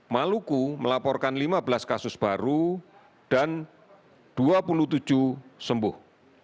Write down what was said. maluku melaporkan lima belas kasus baru dan dua puluh tujuh sembuh